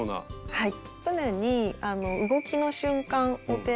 はい。